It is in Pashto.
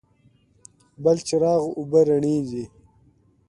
بلچراغ اوبه رڼې دي؟